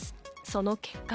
その結果。